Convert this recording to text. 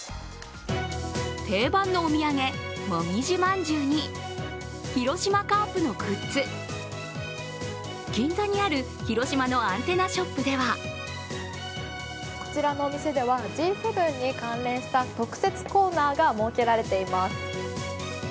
定番のお土産もみじ饅頭に広島カープのグッズ、都内にある広島のアンテナショップではこちらのお店ではＧ７に関連した特設コーナーが設けられています。